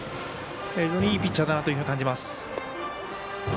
いいピッチャーだなと感じます。